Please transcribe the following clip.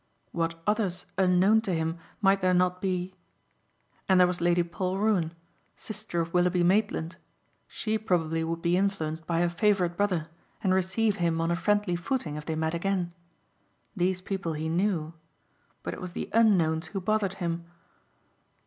What others unknown to him might there not be! And there was Lady Polruan sister of Willoughby Maitland. She probably would be influenced by her favorite brother and receive him on a friendly footing if they met again. These people he knew. But it was the unknowns who bothered him.